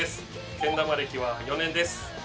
けん玉歴は４年です。